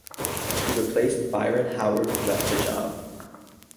He replaced Byron Howard who left the job.